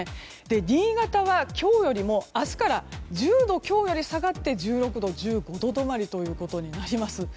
新潟は今日よりも明日から１０度下がって、１６度、１５度止まりとなりそうです。